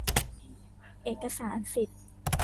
เอกสารสิทธิ์